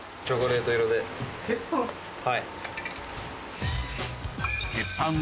はい。